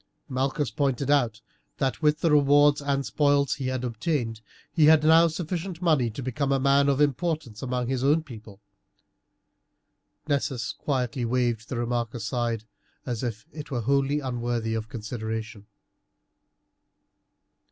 Malchus pointed out that, with the rewards and spoils he had obtained, he had now sufficient money to become a man of importance among his own people. Nessus quietly waved the remark aside as if it were wholly unworthy of consideration.